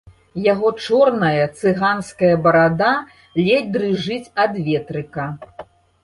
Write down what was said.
Яго чорная цыганская барада ледзь дрыжыць ад ветрыка.